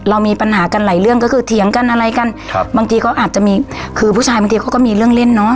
เรามีปัญหากันหลายเรื่องก็คือเถียงกันอะไรกันครับบางทีก็อาจจะมีคือผู้ชายบางทีเขาก็มีเรื่องเล่นเนาะ